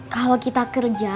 kalau kita kerja